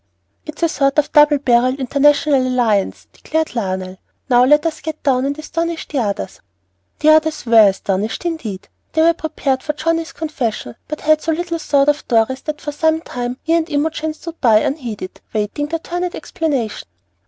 "It is a sort of double barrelled International Alliance," declared Lionel. "Now let us go down and astonish the others." The others were astonished indeed. They were prepared for Johnnie's confession, but had so little thought of Dorry's that for some time he and Imogen stood by unheeded, waiting their turn at explanation.